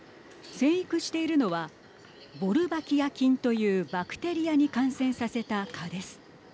生育しているのはボルバキア菌というバクテリアに感染させた蚊です。